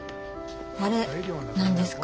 あれ何ですか？